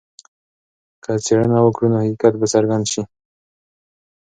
که څېړنه وکړو نو حقیقت به څرګند سي.